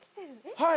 はい。